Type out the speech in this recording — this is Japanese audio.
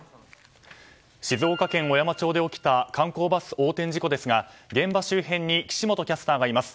静岡県小山町で起きた観光バス横転事故ですが現場周辺に岸本キャスターがいます。